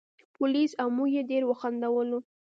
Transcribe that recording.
پولیس او موږ یې ډېر وخندولو.